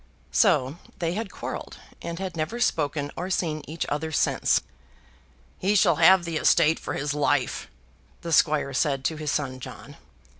So they had quarrelled, and had never spoken or seen each other since. "He shall have the estate for his life," the squire said to his son John.